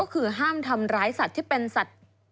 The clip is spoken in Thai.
ก็คือห้ามทำร้ายสัตว์ที่เป็นสัตว์